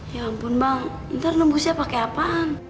ya ampun bang ntar nembusnya pakai apaan